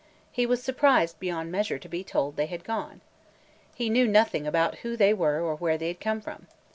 He was surprised beyond measure to be told that they had gone. He knew nothing about who they were or where they had come from.